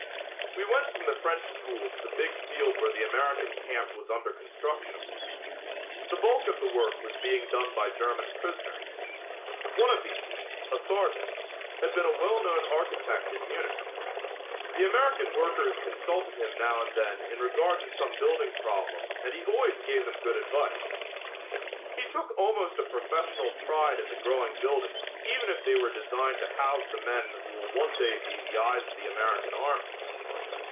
We went from the French school to the big field where the American camp was under construction. The bulk of the work was being done by German prisoners. One of these, a sergeant, had been a well known architect in Munich. The American workers consulted him now and then in regard to some building problem and he always gave them good advice. He took almost a professional pride in the growing buildings even if they were designed to house the men who will one day be the eyes of the American army.